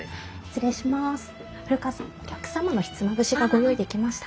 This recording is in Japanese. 失礼します。